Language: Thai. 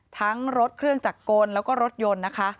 ทั้งรถเครื่องจักรกลแล้วก็รถยนต์นะคะ